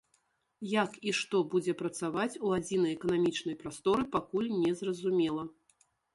Як і што будзе працаваць у адзінай эканамічнай прасторы, пакуль не зразумела.